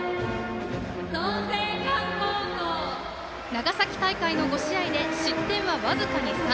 長崎大会の５試合で失点は僅かに３。